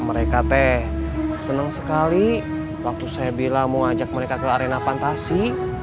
mereka teh senang sekali waktu saya bilang mau ajak mereka ke arena fantasi